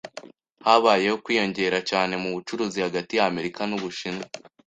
Habayeho kwiyongera cyane mu bucuruzi hagati y’Amerika n'Ubushinwa.